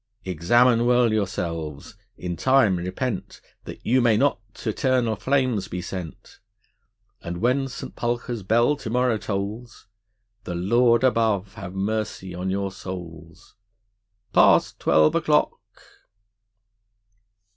Examine well yourselves, in time repent That you may not t' eternal flames be sent; And when St. Pulchre's bell to morrow tolls, The Lord above have mercy on your souls. Past twelve o'clock!